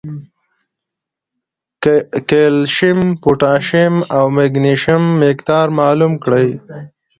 کېلشیم ، پوټاشیم او مېګنيشم مقدار معلوم کړي